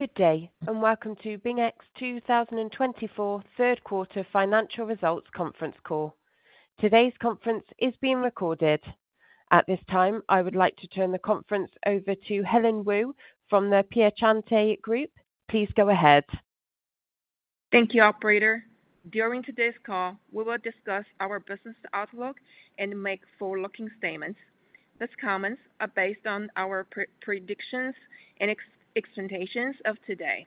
Good day, and welcome to BingEx 2024 Q3 Financial Results Conference Call. Today's conference is being recorded. At this time, I would like to turn the conference over to Helen Wu from The Piacente Group. Please go ahead. Thank you, Operator. During today's call, we will discuss our business outlook and make forward-looking statements. These comments are based on our predictions and expectations of today.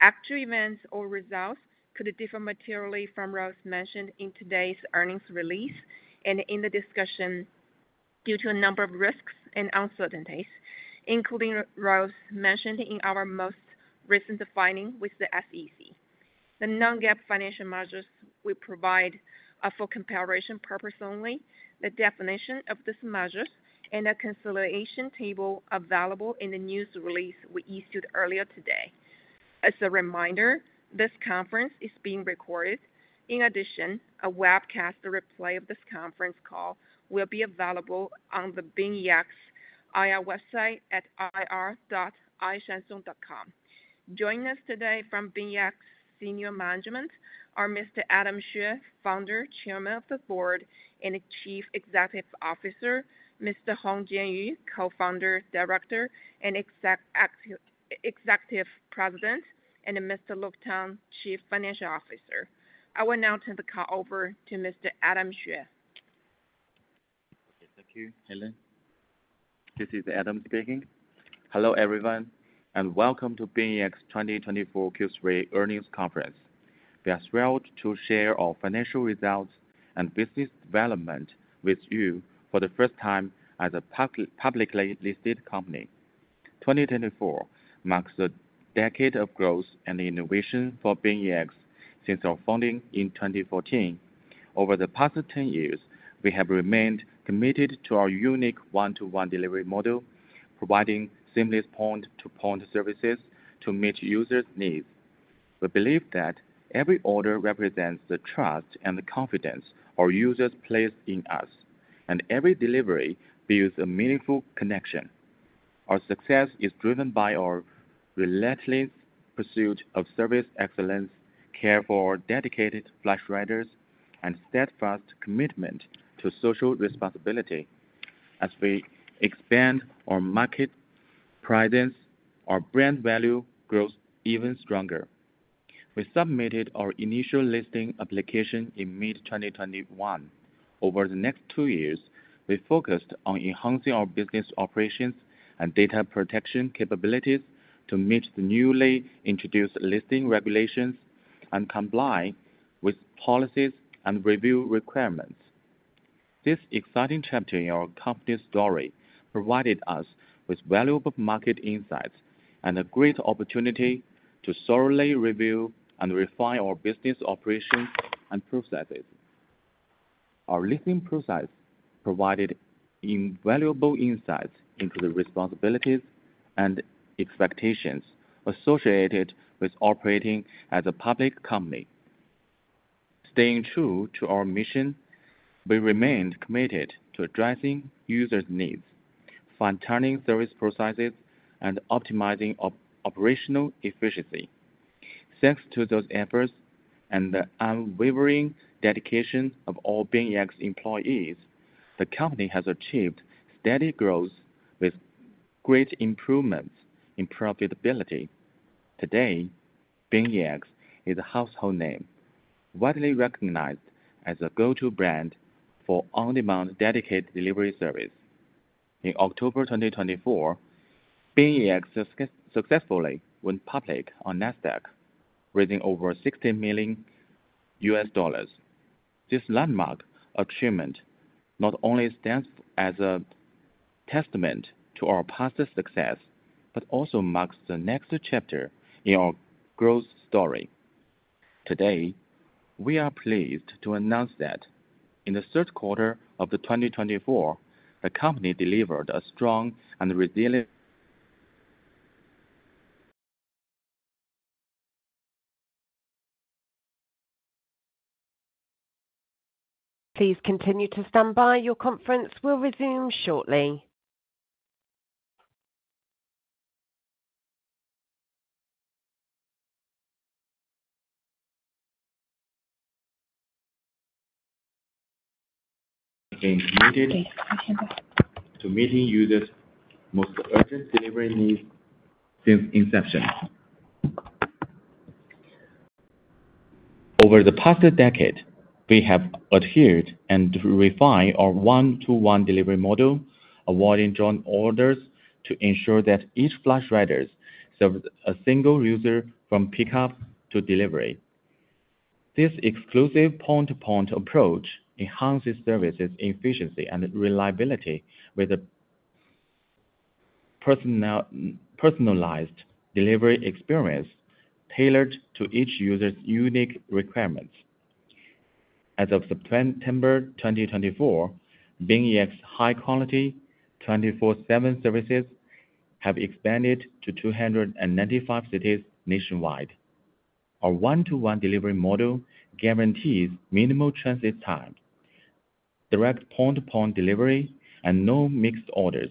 Actual events or results could differ materially from what was mentioned in today's earnings release and in the discussion due to a number of risks and uncertainties, including what was mentioned in our most recent filing with the SEC. The non-GAAP financial measures we provide are for comparison purposes only. The definition of these measures and a reconciliation table are available in the news release we issued earlier today. As a reminder, this conference is being recorded. In addition, a webcast replay of this conference call will be available on the BingEx IR website at ir.ishansong.com. Joining us today from BingEx Senior Management are Mr. Adam Xue, Founder/Chairman of the Board and Chief Executive Officer; Mr. Hong Jianyu, Co-Founder, Director and Executive President, and Mr. Luke Tang, Chief Financial Officer. I will now turn the call over to Mr. Adam Xue. Thank you, Helen. This is Adam speaking. Hello, everyone, and welcome to BingEx 2024 Q3 Earnings Conference. We are thrilled to share our financial results and business development with you for the first time as a publicly listed company. 2024 marks a decade of growth and innovation for BingEx since our founding in 2014. Over the past 10 years, we have remained committed to our unique one-to-one delivery model, providing seamless point-to-point services to meet users' needs. We believe that every order represents the trust and confidence our users place in us, and every delivery builds a meaningful connection. Our success is driven by our relentless pursuit of service excellence, care for our dedicated Flash riders, and steadfast commitment to social responsibility. As we expand our market presence, our brand value grows even stronger. We submitted our initial listing application in mid-2021. Over the next two years, we focused on enhancing our business operations and data protection capabilities to meet the newly introduced listing regulations and comply with policies and review requirements. This exciting chapter in our company's story provided us with valuable market insights and a great opportunity to thoroughly review and refine our business operations and processes. Our listing process provided invaluable insights into the responsibilities and expectations associated with operating as a public company. Staying true to our mission, we remained committed to addressing users' needs, fine-tuning service processes, and optimizing operational efficiency. Thanks to those efforts and the unwavering dedication of all BingEx employees, the company has achieved steady growth with great improvements in profitability. Today, BingEx is a household name, widely recognized as a go-to brand for on-demand dedicated delivery service. In October 2024, BingEx successfully went public on NASDAQ, raising over $60 million. This landmark achievement not only stands as a testament to our past success but also marks the next chapter in our growth story. Today, we are pleased to announce that in the Q3 of 2024, the company delivered a strong and resilient... Please continue to stand by. Your conference will resume shortly. Has been committed to meeting users' most urgent delivery needs since inception. Over the past decade, we have adhered and refined our one-to-one delivery model, avoiding joint orders to ensure that each Flash rider serves a single user from pickup to delivery. This exclusive point-to-point approach enhances services' efficiency and reliability, with a personalized delivery experience tailored to each user's unique requirements. As of September 2024, BingEx's high-quality 24/7 services have expanded to 295 cities nationwide. Our one-to-one delivery model guarantees minimal transit time, direct point-to-point delivery, and no mixed orders,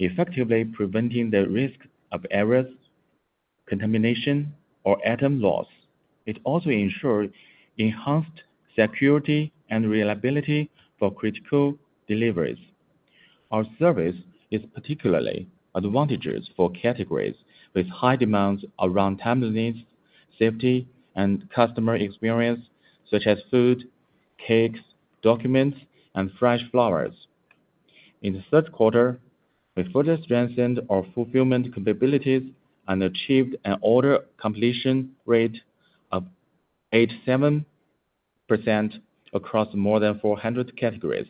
effectively preventing the risk of errors, contamination, or item loss. It also ensures enhanced security and reliability for critical deliveries. Our service is particularly advantageous for categories with high demands around timeliness, safety, and customer experience, such as food, cakes, documents, and fresh flowers. In the third quarter, we further strengthened our fulfillment capabilities and achieved an order completion rate of 87% across more than 400 categories.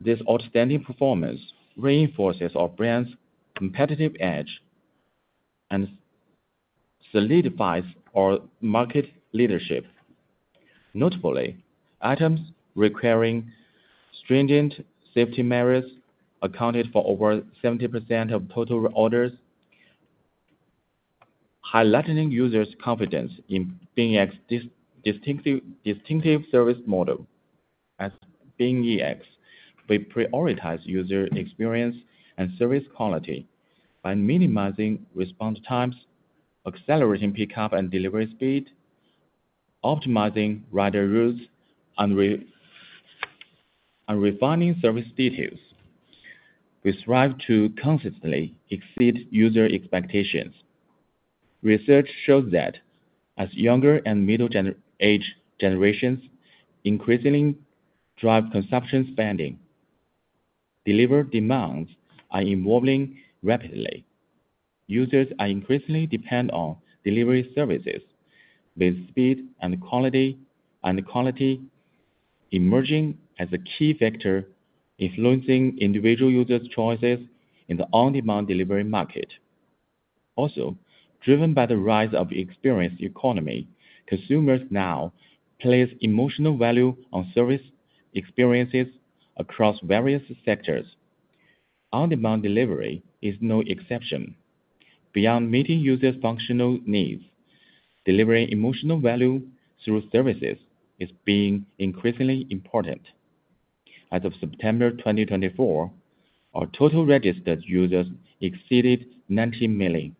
This outstanding performance reinforces our brand's competitive edge and solidifies our market leadership. Notably, items requiring stringent safety measures accounted for over 70% of total orders, highlighting users' confidence in BingEx's distinctive distinctive service model. At BingEx, we prioritize user experience and service quality by minimizing response times, accelerating pickup and delivery speed, optimizing rider routes, and refining service details. We strive to consistently exceed user expectations. Research shows that as younger and middle-aged generations increasingly drive consumption spending, delivery demands are evolving rapidly. Users are increasingly dependent on delivery services, with speed and quality and quality emerging as a key factor influencing individual users' choices in the on-demand delivery market. Also, driven by the rise of the experience economy, consumers now place emotional value on service experiences across various sectors. On-demand delivery is no exception. Beyond meeting users' functional needs, delivering emotional value through services is being increasingly important. As of September 2024, our total registered users exceeded 90 million,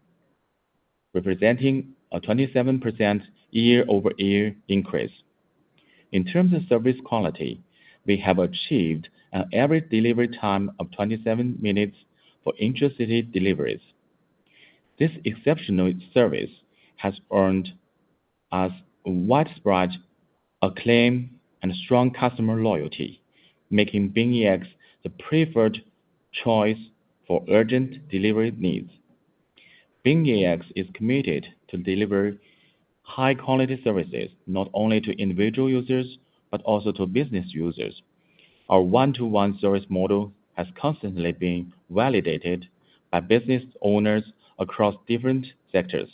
representing a 27% year-over-year increase. In terms of service quality, we have achieved an average delivery time of 27 minutes for intercity deliveries. This exceptional service has earned us widespread acclaim and strong customer loyalty, making BingEx the preferred choice for urgent delivery needs. BingEx is committed to deliver high-quality services not only to individual users but also to business users. Our one-to-one service model has constantly been validated by business owners across different sectors,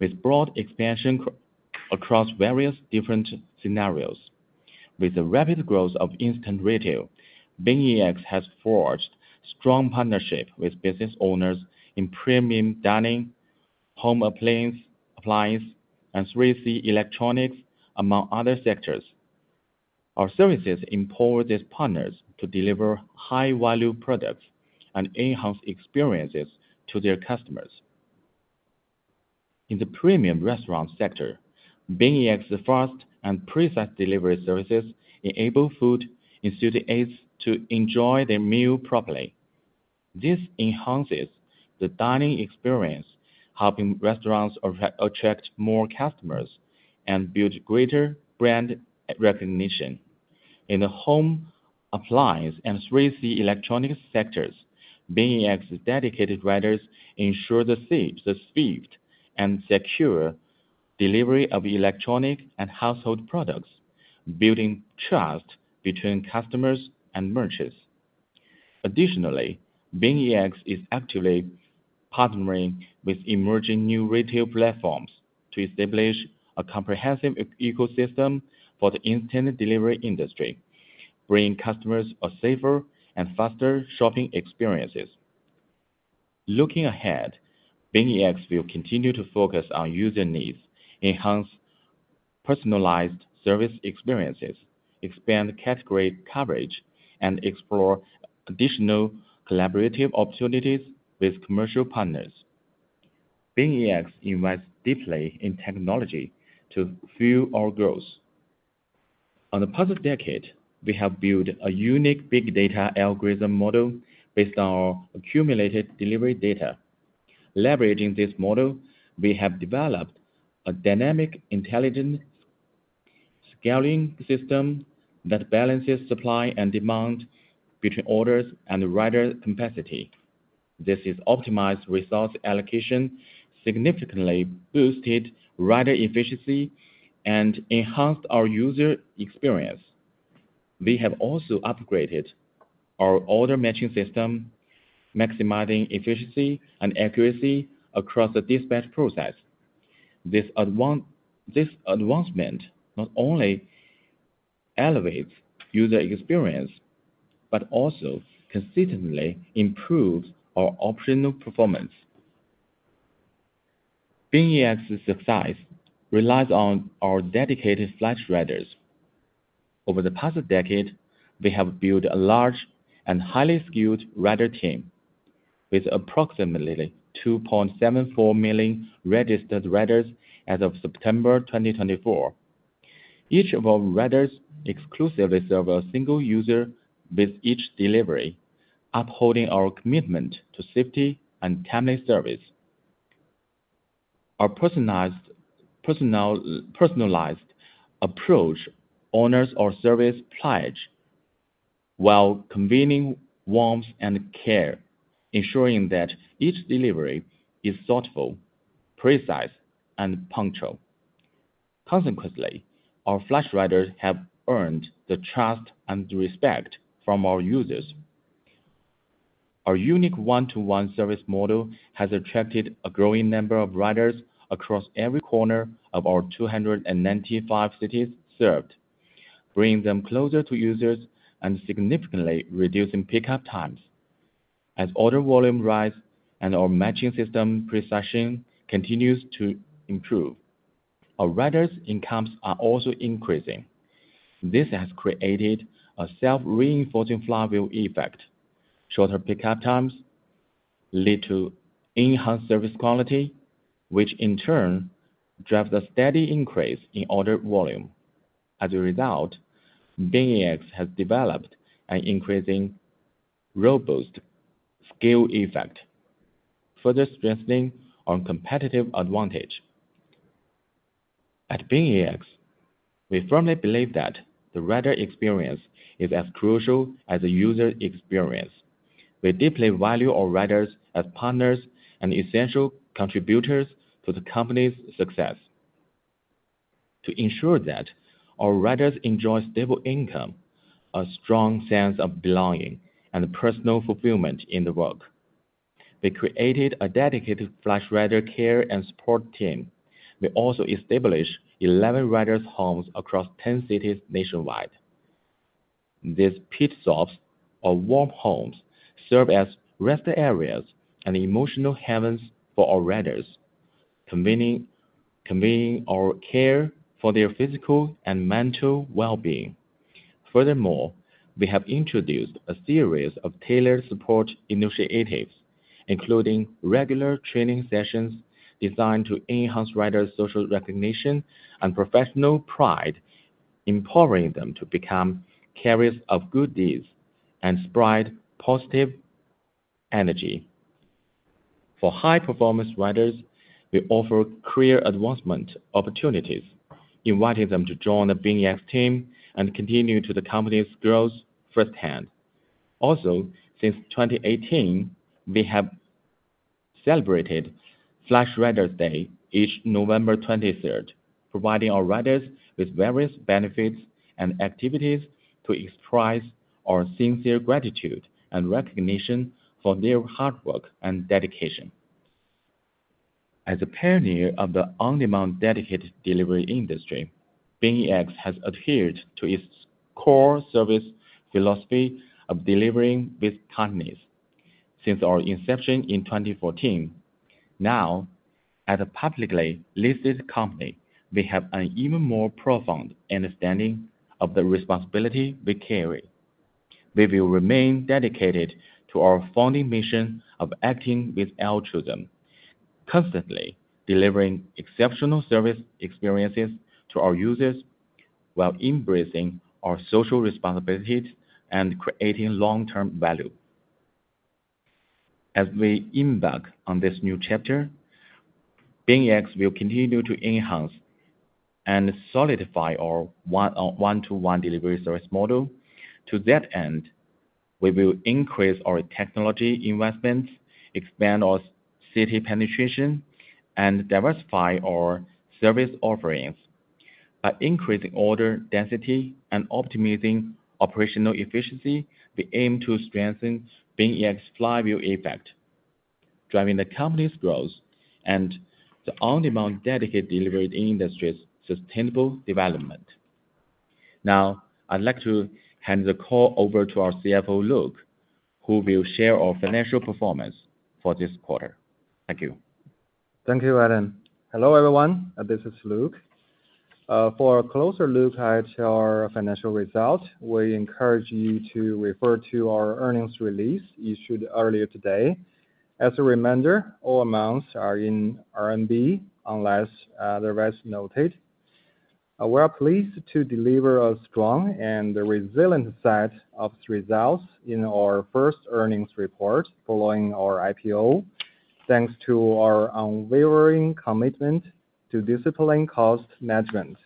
with broad expansion across various different scenarios. With the rapid growth of instant retail, BingEx has forged strong partnerships with business owners in premium dining, home appliances, and 3C electronics, among other sectors. Our services empower these partners to deliver high-value products and enhance experiences to their customers. In the premium restaurant sector, BingEx's fast and precise delivery services enable food enthusiasts to enjoy their meal properly. This enhances the dining experience, helping restaurants attract more customers and build greater brand recognition. In the home appliance and 3C electronics sectors, BingEx's dedicated riders ensure the safe, the speed and secure delivery of electronic and household products, building trust between customers and merchants. Additionally, BingEx is actively partnering with emerging new retail platforms to establish a comprehensive ecosystem for the instant delivery industry, bringing customers a safer and faster shopping experiences. Looking ahead, BingEx will continue to focus on user needs, enhance personalized service experiences, expand category coverage, and explore additional collaborative opportunities with commercial partners. BingEx invests deeply in technology to fuel our growth. Over the past decade, we have built a unique big data algorithm model based on our accumulated delivery data. Leveraging this model, we have developed a dynamic intelligent scaling system that balances supply and demand between orders and rider capacity. This has optimized resource allocation, significantly boosted rider efficiency, and enhanced our user experience. We have also upgraded our order matching system, maximizing efficiency and accuracy across the dispatch process. This advancement not only elevates user experience but also consistently improves our operational performance. BingEx's success relies on our dedicated Flash riders. Over the past decade, we have built a large and highly skilled rider team, with approximately 2.74 million registered riders as of September 2024. Each of our riders exclusively serves a single user with each delivery, upholding our commitment to safety and timely service. Our personized, personalized approach honors our service pledge while conveying warmth and care, ensuring that each delivery is thoughtful, precise, and punctual. Consequently, our Flash riders have earned the trust and respect from our users. Our unique one-to-one service model has attracted a growing number of riders across every corner of our 295 cities served, bringing them closer to users and significantly reducing pickup times. As order volume rises and our matching system precision continues to improve, our riders' incomes are also increasing. This has created a self-reinforcing flywheel effect. Shorter pickup times lead to enhanced service quality, which in turn drives a steady increase in order volume. As a result, BingEx has developed an increasingly robust scale effect, further strengthening our competitive advantage. At BingEx, we firmly believe that the rider experience is as crucial as the user experience. We deeply value our riders as partners and essential contributors to the company's success. To ensure that our riders enjoy stable income, a strong sense of belonging, and personal fulfillment in the work, we created a dedicated flagship rider care and support team. We also established 11 riders' homes across 10 cities nationwide. These pit stops, or warm homes, serve as rest areas and emotional havens for our riders, conveying conveying our care for their physical and mental well-being. Furthermore, we have introduced a series of tailored support initiatives, including regular training sessions designed to enhance riders' social recognition and professional pride, empowering them to become carriers of good deeds and spread positive energy. For high-performance riders, we offer career advancement opportunities, inviting them to join the BingEx team and continue to the company's growth firsthand. Also, since 2018, we have celebrated Flash Riders' Day each November 23, providing our riders with various benefits and activities to express our sincere gratitude and recognition for their hard work and dedication. As a pioneer of the on-demand dedicated delivery industry, BingEx has adhered to its core service philosophy of delivering with kindness. Since our inception in 2014, now as a publicly listed company, we have an even more profound understanding of the responsibility we carry. We will remain dedicated to our founding mission of acting with altruism, constantly delivering exceptional service experiences to our users while embracing our social responsibilities and creating long-term value. As we embark on this new chapter, BingEx will continue to enhance and solidify our one-to-one delivery service model. To that end, we will increase our technology investments, expand our city penetration, and diversify our service offerings. By increasing order density and optimizing operational efficiency, we aim to strengthen BingEx's flywheel effect, driving the company's growth and the on-demand dedicated delivery industry's sustainable development. Now, I'd like to hand the call over to our CFO, Luke, who will share our financial performance for this quarter. Thank you. Thank you, Adam. Hello, everyone. This is Luke. For a closer look at our financial results, we encourage you to refer to our earnings release issued earlier today. As a reminder, all amounts are in RMB unless otherwise noted. We are pleased to deliver a strong and resilient set of results in our first earnings report following our IPO, thanks to our unwavering commitment to disciplined cost management.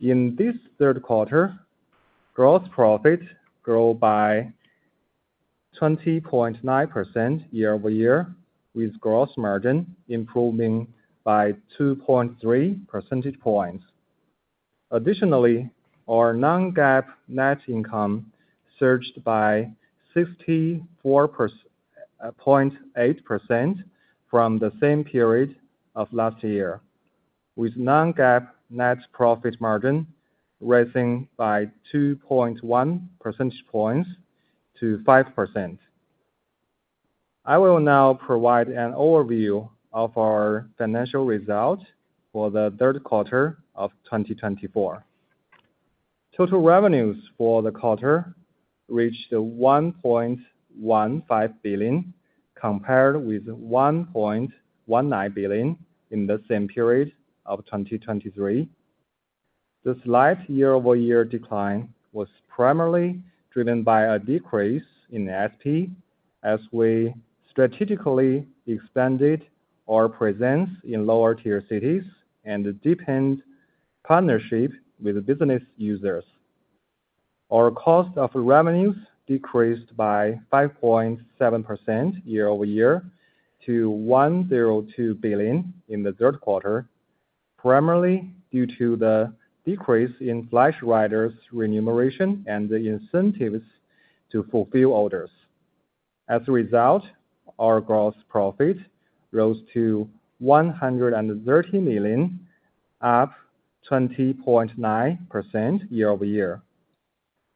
In this Q3, gross profit grew by 20.9% year-over-year, with gross margin improving by 2.3 percentage points. Additionally, our non-GAAP net income surged by 64.8% from the same period of last year, with non-GAAP net profit margin rising by 2.1 percentage points to 5%. I will now provide an overview of our financial results for the third quarter of 2024. Total revenues for the quarter reached 1.15 billion, compared with 1.19 billion in the same period of 2023. The slight year-over-year decline was primarily driven by a decrease in ASP as we strategically expanded our presence in lower-tier cities and deepened partnerships with business users. Our cost of revenues decreased by 5.7% year-over-year to 102 billion in the Q3, primarily due to the decrease in FlashEx riders' remuneration and the incentives to fulfill orders. As a result, our gross profit rose to 130 million, up 20.9% year-over-year.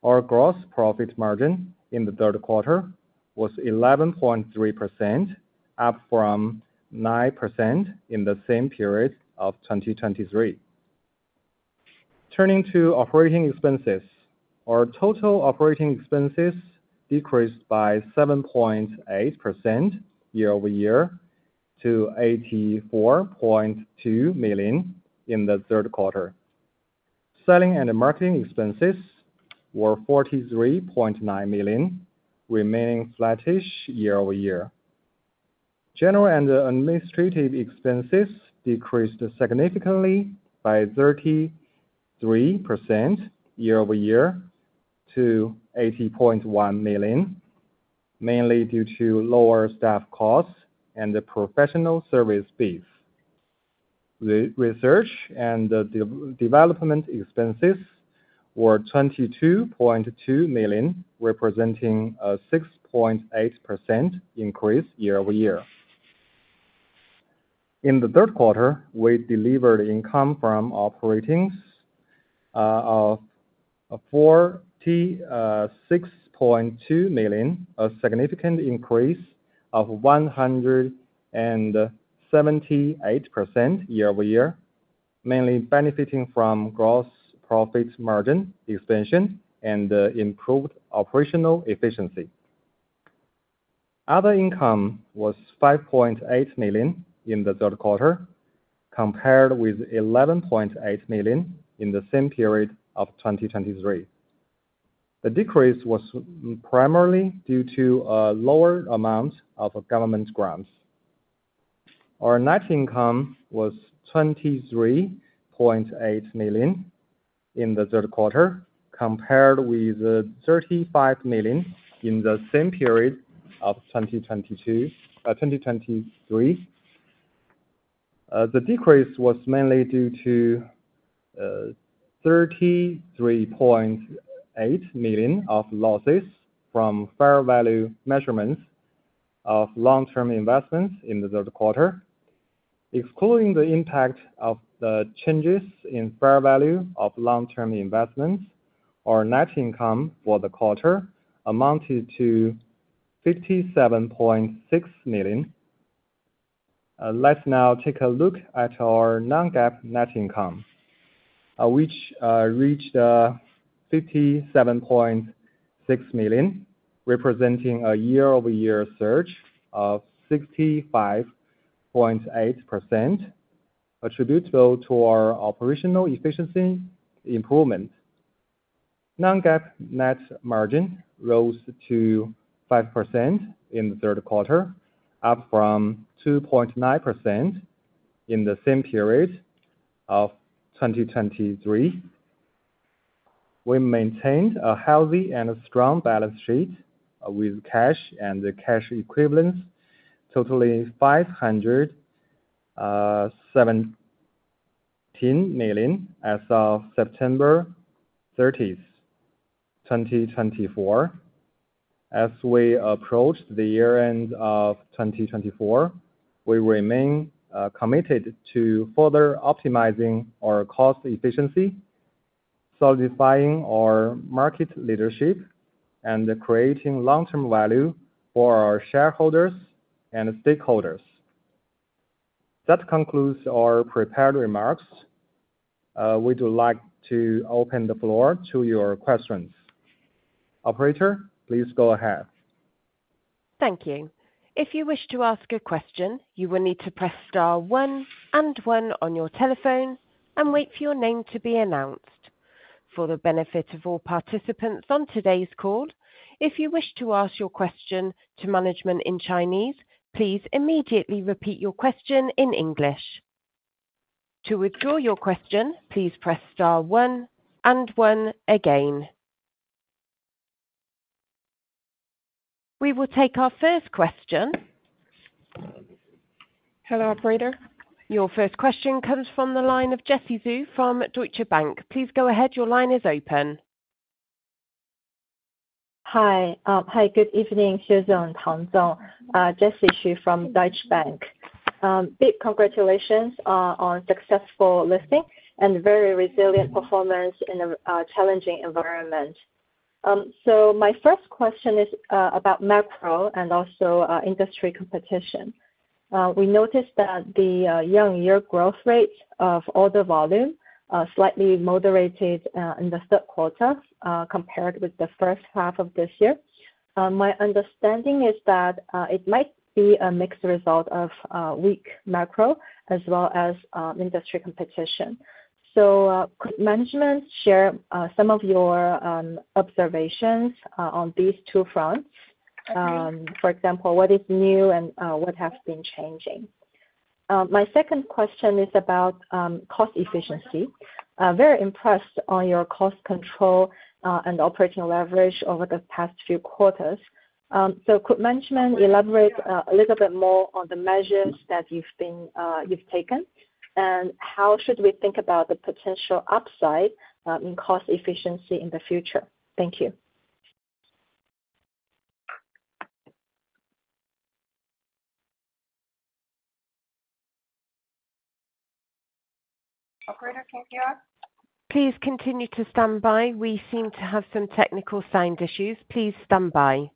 Our gross profit margin in the Q3 was 11.3%, up from 9% in the same period of 2023. Turning to operating expenses, our total operating expenses decreased by 7.8% year-over-year to 84.2 million in the Q3. Selling and marketing expenses were 43.9 million, remaining flattish year-over-year. General and administrative expenses decreased significantly by 33% year-over-year to 80.1 million, mainly due to lower staff costs and the professional service fees. Research and development expenses were 22.2 million, representing a 6.8% increase year-over-year. In the Q3, we delivered income from operations of 46.2 million, a significant increase of 178% year-over-year, mainly benefiting from gross profit margin expansion and improved operational efficiency. Other income was 5.8 million in the Q3, compared with 11.8 million in the same period of 2023. The decrease was primarily due to a lower amount of government grants. Our net income was 23.8 million in the Q3, compared with 35 million in the same period of 2022, 2023. The decrease was mainly due to 33.8 million of losses from fair value measurements of long-term investments in the Q3. Excluding the impact of the changes in fair value of long-term investments, our net income for the quarter amounted to 57.6 million. Let's now take a look at our non-GAAP net income, which reached 57.6 million, representing a year-over-year surge of 65.8%, attributable to our operational efficiency improvement. Non-GAAP net rose to 5% in Q3, up from 2.9% in the same period of 2023. We maintained a healthy and strong balance sheet with cash and the cash equivalents totaling 517 million as of September 30, 2024. As we approach the year-end of 2024, we remain committed to further optimizing our cost efficiency, solidifying our market leadership, and creating long-term value for our shareholders and stakeholders. That concludes our prepared remarks. We would like to open the floor to your questions. Operator, please go ahead. Thank you. If you wish to ask a question, you will need to press star one and one on your telephone and wait for your name to be announced. For the benefit of all participants on today's call, if you wish to ask your question to management in Chinese, please immediately repeat your question in English. To withdraw your question, please press star one and one again. We will take our first question. Hello, Operator. Your first question comes from the line of Zi Jie Zhu from Deutsche Bank. Please go ahead. Your line is open. Hi. Hi. Good evening, Adam and Luke. Zi Jie Zhu, she's from Deutsche Bank. Big congratulations on successful listing and very resilient performance in a challenging environment. So my first question is about macro and also industry competition. We noticed that the year-on-year growth rate of order volume slightly moderated in the Q3 compared with the first half of this year. My understanding is that it might be a mixed result of weak macro as well as industry competition. So could management share some of your observations on these two fronts? For example, what is new and what has been changing? My second question is about cost efficiency. Very impressed on your cost control and operating leverage over the past few quarters. So could management elaborate a little bit more on the measures that you've been that you've taken and how should we think about the potential upside in cost efficiency in the future? Thank you. Operator, can you hear us? Please continue to stand by. We seem to have some technical sound issues. Please stand by.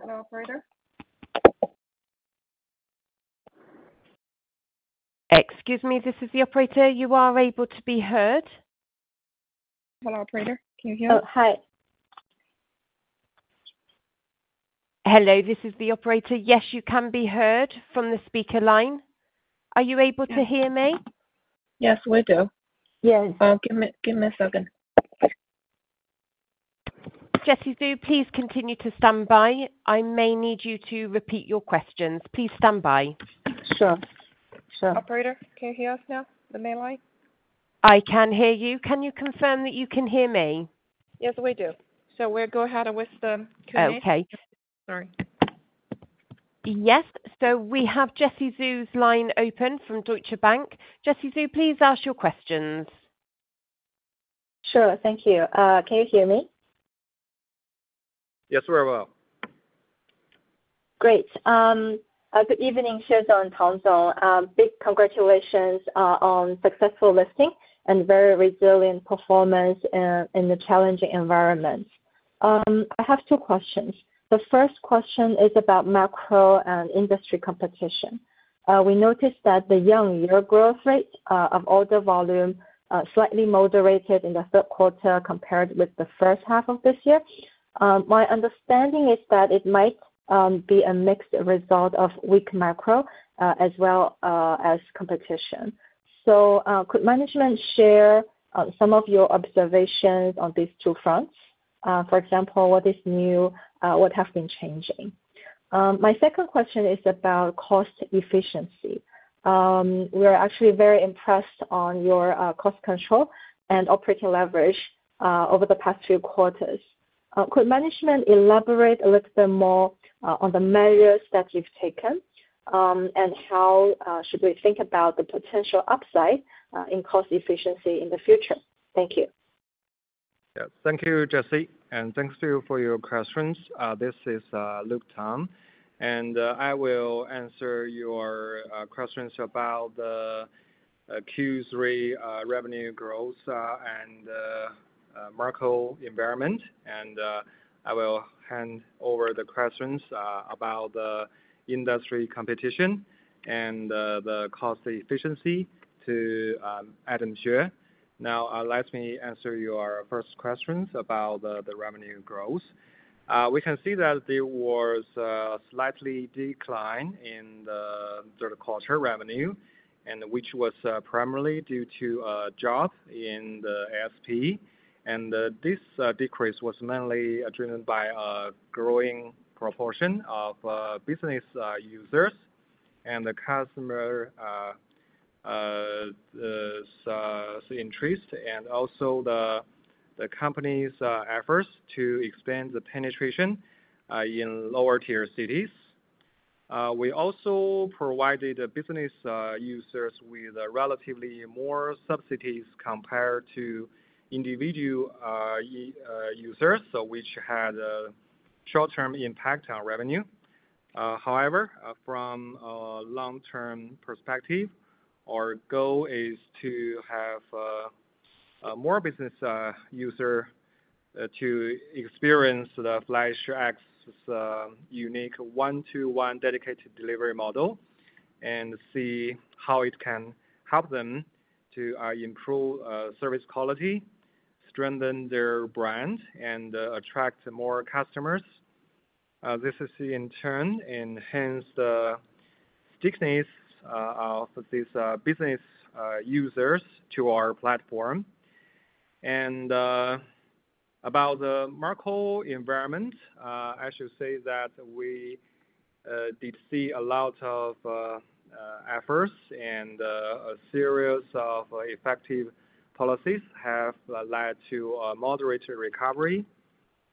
Hello, Operator. Excuse me. This is the operator. You are able to be heard? Hello, Operator. Can you hear us? Hi. Hello. This is the operator. Yes, you can be heard from the speaker line. Are you able to hear me? Yes, we do. Yes. Give me a second. Jessie Zhu, please continue to stand by. I may need you to repeat your questions. Please stand by. Sure. Sure. Operator, can you hear us now? The main line? I can hear you. Can you confirm that you can hear me? Yes, we do. So we'll go ahead with the Q&A. Okay. Sorry. Yes. So we have Jessie Zhu's line open from Deutsche Bank. Jessie Zhu, please ask your questions. Sure. Thank you. Can you hear me? Yes, very well. Great. Good evening, Xue Zong and Tang Zong. Big congratulations on successful listing and very resilient performance in the challenging environment. I have two questions. The first question is about macro and industry competition. We noticed that the year-on-year growth rate of order volume slightly moderated in the Q3 compared with the first half of this year. My understanding is that it might be a mixed result of weak macro as well as competition. So could management share some of your observations on these two fronts? For example, what is new, what has been changing? My second question is about cost efficiency. We are actually very impressed on your cost control and operating leverage over the past few quarters. Could management elaborate a little bit more on the measures that you've taken and how should we think about the potential upside in cost efficiency in the future? Thank you. Ya.Thank you, Zi Jie Zhu, and thanks to you for your questions. This is Luke Tang, and I will answer your questions about the Q3 revenue growth and macro environment, and I will hand over the questions about the industry competition and the cost efficiency to Adam Xue. Now, let me answer your first questions about the revenue growth. We can see that there was a slight decline in the Q3 revenue, which was primarily due to jobs in the SP, and this decrease was mainly driven by a growing proportion of business users and the customer's interest and also the company's efforts to expand the penetration in lower-tier cities. We also provided business users with relatively more subsidies compared to individual users, which had a short-term impact on revenue. However, from a long-term perspective, our goal is to have more business users to experience the FlashEx's unique one-to-one dedicated delivery model and see how it can help them to improve service quality, strengthen their brand, and attract more customers. This is, in turn, enhanced the thickness of these business users to our platform. And about the macro environment, I should say that we did see a lot of efforts and a series of effective policies have led to a moderate recovery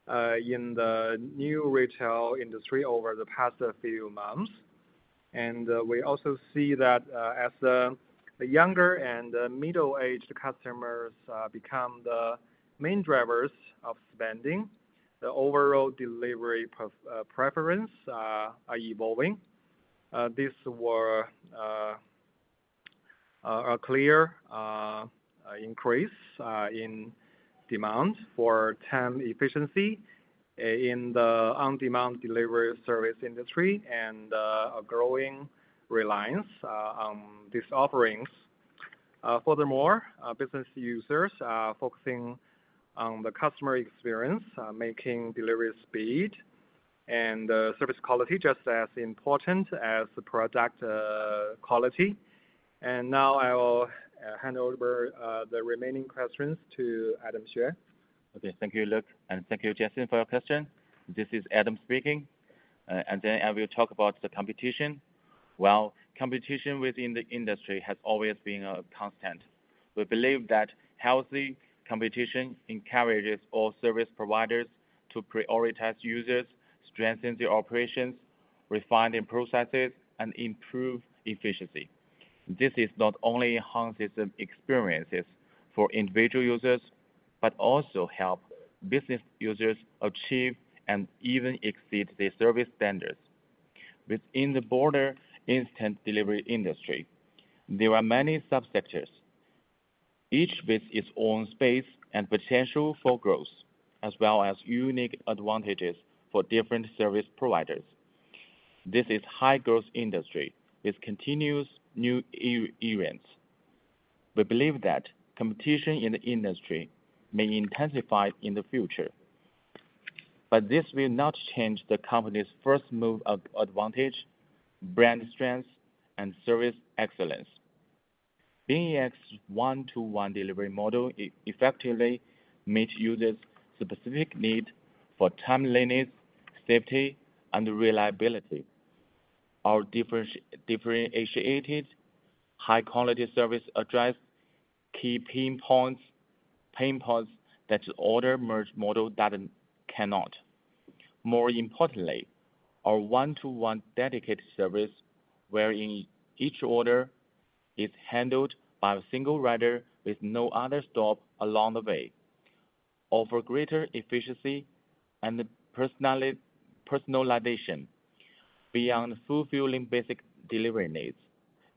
in the new retail industry over the past few months. And we also see that as the younger and middle-aged customers become the main drivers of spending, the overall delivery preferences are evolving. This was a clear increase in demand for time efficiency in the on-demand delivery service industry and a growing reliance on these offerings. Furthermore, business users are focusing on the customer experience, making delivery speed and service quality just as important as product quality. And now I will hand over the remaining questions to Adam Xue. Okay. Thank you, Luke, and thank you, Jessie, for your question. This is Adam speaking. And then I will talk about the competition. Well, competition within the industry has always been constant. We believe that healthy competition encourages all service providers to prioritize users, strengthen their operations, refine their processes, and improve efficiency. This not only enhances the experiences for individual users but also helps business users achieve and even exceed their service standards. Within the broader instant delivery industry, there are many subsectors, each with its own space and potential for growth, as well as unique advantages for different service providers. This is high-growth industry with continuous new entrants. We believe that competition in the industry may intensify in the future, but this will not change the company's first move of advantage, brand strength, and service excellence. BingEx's one-to-one delivery model effectively meets users' specific needs for time leniency, safety, and reliability. Our differentiated high-quality service addresses key pain points that the order merge model cannot. More importantly, our one-to-one dedicated service, wherein each order is handled by a single rider with no other stop along the way, offers greater efficiency and personalization beyond fulfilling basic delivery needs.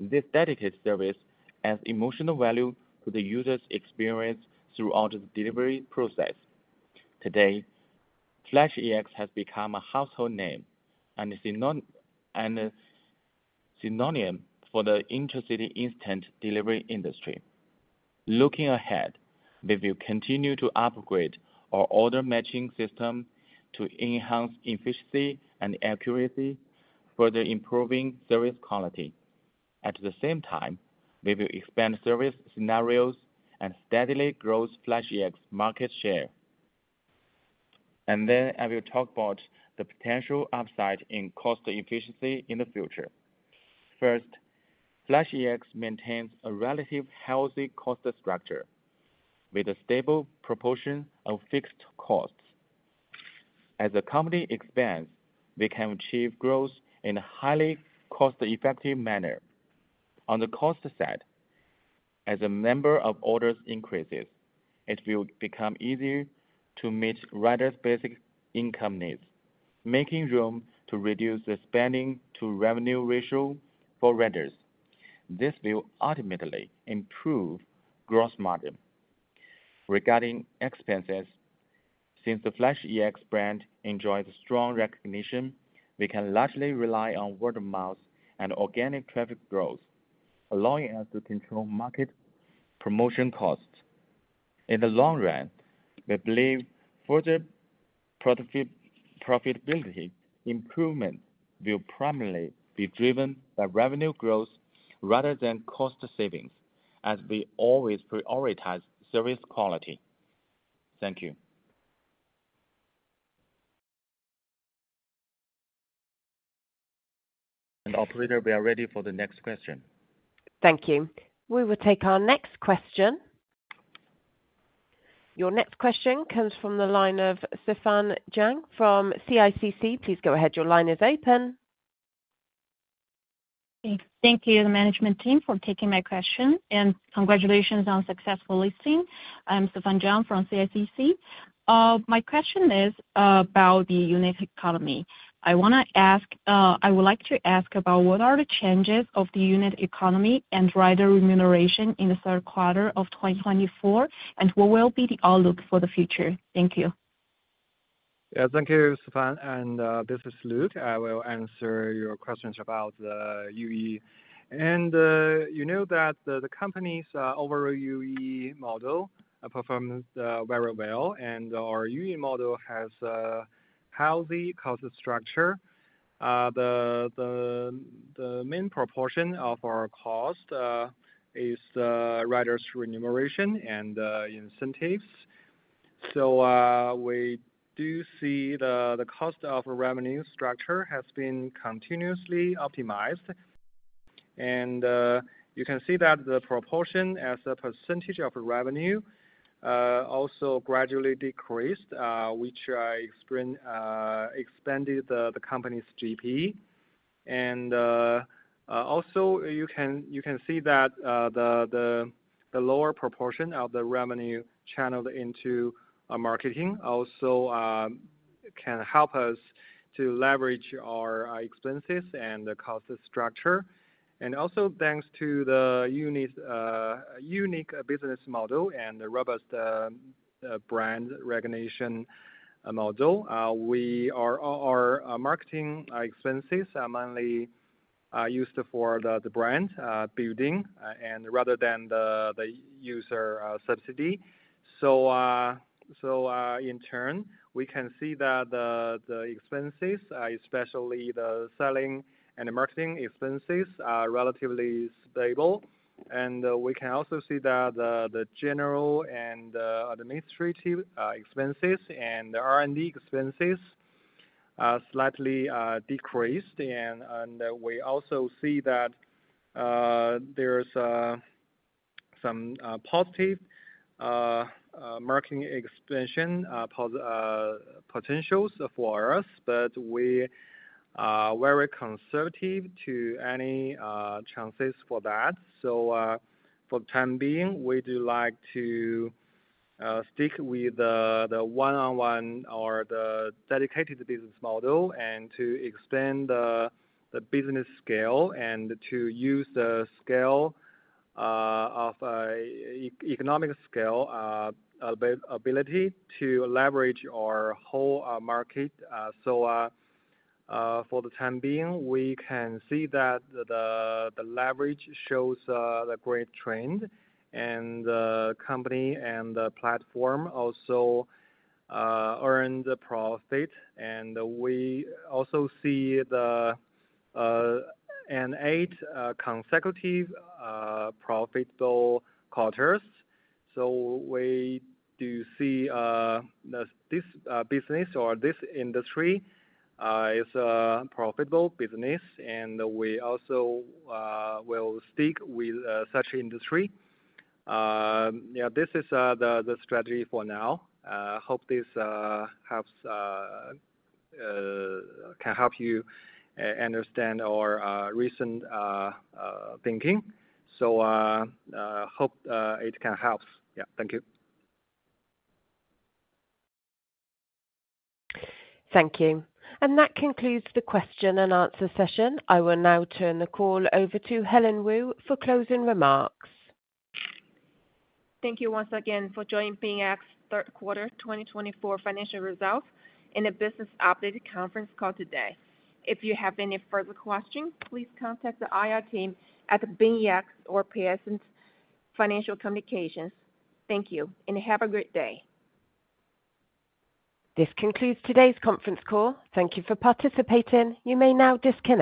This dedicated service adds emotional value to the user's experience throughout the delivery process. Today, FlashEx has become a household name and a synonym for the intercity instant delivery industry. Looking ahead, we will continue to upgrade our order matching system to enhance efficiency and accuracy, further improving service quality. At the same time, we will expand service scenarios and steadily grow FlashEx's market share. And then I will talk about the potential upside in cost efficiency in the future. First, FlashEx maintains a relatively healthy cost structure with a stable proportion of fixed costs. As the company expands, we can achieve growth in a highly cost-effective manner. On the cost side, as the number of orders increases, it will become easier to meet riders' basic income needs, making room to reduce the spending-to-revenue ratio for riders. This will ultimately improve gross margin. Regarding expenses, since the FlashEx brand enjoys strong recognition, we can largely rely on word of mouth and organic traffic growth, allowing us to control market promotion costs. In the long run, we believe further profitability improvement will primarily be driven by revenue growth rather than cost savings, as we always prioritize service quality. Thank you. And Operator, we are ready for the next question. Thank you. We will take our next question. Your next question comes from the line of Saifan Jiang from CICC. Please go ahead. Your line is open. Thank you, management team, for taking my question. And congratulations on successful listing. I'm Saifan Jiang from CICC. My question is about the unit economy. I want to ask I would like to ask about what are the changes of the unit economy and rider remuneration in the Q3 of 2024, and what will be the outlook for the future? Thank you. Yeah. Thank you, Saifan. And this is Luke. I will answer your questions about the UE. And you know that the company's overall UE model performs very well, and our UE model has a healthy cost structure. The the the main proportion of our cost is rider's remuneration and incentives. So we do see the cost of revenue structure has been continuously optimized. And you can see that the proportion as a percentage of revenue also gradually decreased, which expanded the company's GP. And also, you can you can see that the lower proportion of the revenue channeled into marketing also can help us to leverage our expenses and the cost structure. And also, thanks to the unique business model and robust brand recognition model, we our marketing expenses are mainly used for the brand building and rather than the user subsidy. So so in turn, we can see that the expenses, especially the selling and marketing expenses, are relatively stable. And we can also see that the general and administrative expenses and R&D expenses slightly decreased. And we also see that there's some positive marketing expansion potentials for us, but we are very conservative to any chances for that. So for time being, we do like to stick with the one-on-one or the dedicated business model and to expand the business scale and to use the scale economic scale ability to leverage our whole market. So for the time being, we can see that the leverage shows a great trend, and the company and the platform also earned the profit. And we also see the eight consecutive profitable quarters. So we do see this business or this industry is a profitable business, and we also will stick with such industry. Yeah. This is the strategy for now. I hope this can help you understand our recent thinking. So hope it can help. Yeah. Thank you. Thank you. And that concludes the question and answer session. I will now turn the call over to Helen Wu for closing remarks. Thank you once again for joining BingEx's Q3 2024 Financial Results and Business Update Conference Call today. If you have any further questions, please contact the IR team at BingEx or Piacente Financial Communication. Thank you, and have a great day. This concludes today's conference call. Thank you for participating. You may now disconnect.